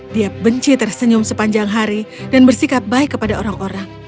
dia benci tersenyum sepanjang hari dan bersikap baik kepada orang orang